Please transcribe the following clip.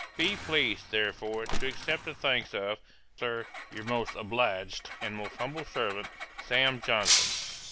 'Be pleased, therefore, to accept the thanks of, Sir, your most obliged 'And most humble servant, 'SAM. JOHNSON.'